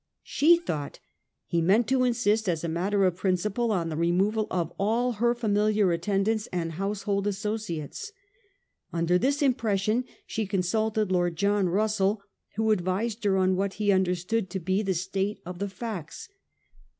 She thought he meant to insist, as a matter of principle, upon the removal of all her familiar attendants and household associates. Under this impression she consulted Lord John Russell, who advised her on what he understood to be the 1839. PEEL'S INDIGNATION. 133 state of the facts.